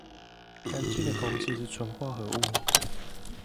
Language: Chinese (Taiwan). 乾淨的空氣是純化合物